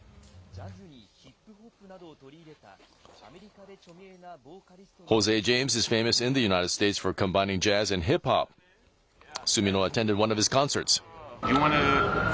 ジャズにヒップホップなどを取り入れたアメリカで著名なボーカリストのコンサートを訪ねると。